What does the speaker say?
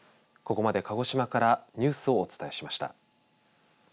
ここまで鹿児島からニュースをお伝えしました。